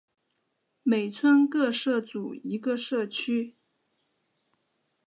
每村各设组一个社区。